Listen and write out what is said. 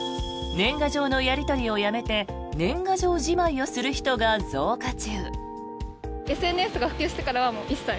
年賀状のやり取りをやめて年賀状じまいをする人が増加中。